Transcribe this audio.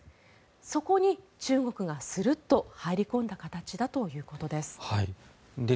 そこに中国がするっと入り込んだ形だということです。